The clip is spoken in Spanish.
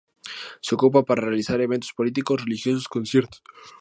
Se ocupaba para realizar eventos políticos, religiosos, conciertos.